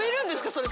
それ。